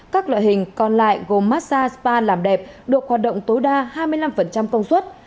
các loại hình còn lại gồm massage spa làm đẹp được hoạt động tối đa hai mươi năm công suất